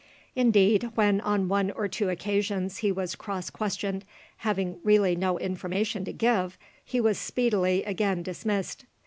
Indeed, when on one or two occasions he was cross questioned, having really no information to give, he was speedily again dismissed.